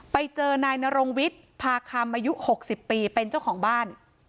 ไปเจอนายนรงวิทย์พาคำอายุ๖๐ปีเป็นเจ้าของบ้าน